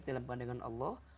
dalam pandangan allah